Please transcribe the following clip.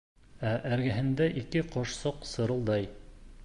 Ә эргәһендә ике ҡошсоҡ сырылдай.